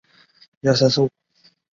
盾的其余部分分为四个象限。